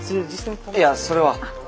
いやそれは。